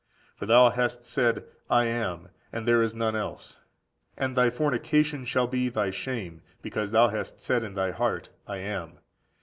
For thou hast said, I am, and there is none else. And thy fornication shall be thy shame, because thou hast said in thy heart, I am.